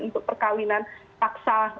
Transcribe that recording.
untuk perkawinan paksa